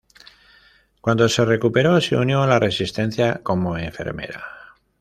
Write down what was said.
Cuando se recuperó, se unió a la resistencia como enfermera.